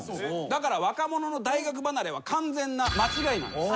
だから若者の大学離れは完全な間違いなんです。